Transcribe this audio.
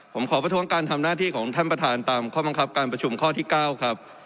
ผมขอประท้วงการทำหน้าที่ของท่านประธานตามข้อบังคับการประชุมข้อที่๙ครับ